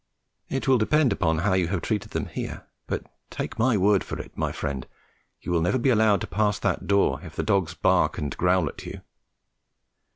It will depend upon how you have treated them here; but take my word for it, my friend, you will never be allowed to pass that door if the dogs bark and growl at you.